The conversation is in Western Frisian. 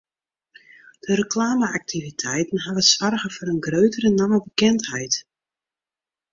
De reklame-aktiviteiten hawwe soarge foar in gruttere nammebekendheid.